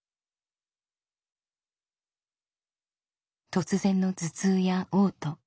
突然の頭痛やおう吐。